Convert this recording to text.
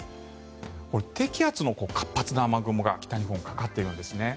低気圧の活発な雨雲が北日本にかかっているんですね。